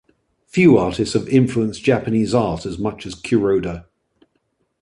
Few artists have influenced Japanese art as much as Kuroda.